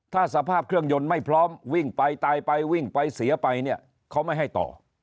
ถ้าสภาพเครื่องยนต์ไม่พร้อมวิ่งไปตายไปวิ่งไปเสียไปเนี่ยเขาไม่ให้ต่อ